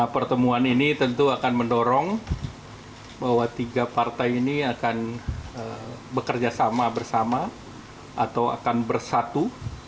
pertemuan ini tentu akan mendorong bahwa tiga partai ini akan bekerja sama bersama atau akan bersatu